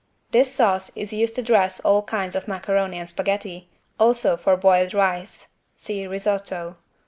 This sauce is used to dress all kinds of macaroni and spaghetti, also for boiled rice (see Risotto).